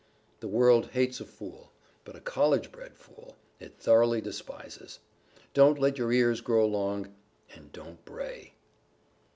The World hates a fool; but a College bred fool, it thoroughly despises. Don't let your ears grow long, and don't bray.